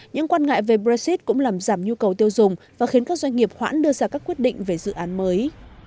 những quan ngại về brexit cũng làm giảm nhu cầu tiêu dùng và khiến các doanh nghiệp hoãn đưa ra các quyết định về dự án mới